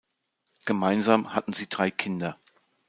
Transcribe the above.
Gemeinsam hatten sie drei Kinder.